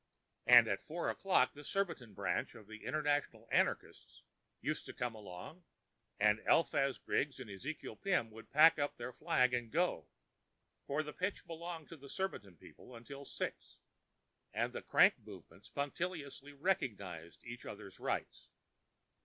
And at four o'clock the Surbiton Branch of the International Anarchists used to come along, and Eliphaz Griggs and Ezekiel Pim would pack up their flag and go, for the pitch belonged to the Surbiton people till six; and the crank Movements punctiliously recognize each other's rights.